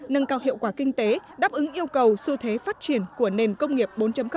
nâng cao hiệu quả kinh tế đáp ứng yêu cầu xu thế phát triển của nền công nghiệp bốn